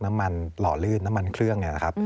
หล่อลื่นน้ำมันเครื่องเนี่ยนะครับ